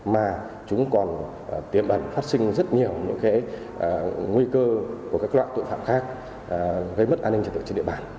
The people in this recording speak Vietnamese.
mà chúng còn tiêm ẩn phát sinh rất nhiều những nguy cơ của các loại tội phạm khác gây mất an ninh trật tự trên địa bàn